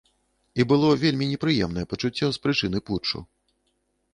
І было вельмі непрыемнае пачуццё з прычыны путчу.